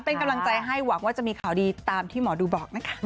เป็นกำลังใจให้หวังว่าจะมีข่าวดีตามที่หมอดูบอกนะคะ